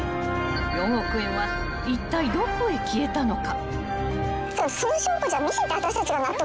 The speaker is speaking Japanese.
［４億円はいったいどこへ消えたのか］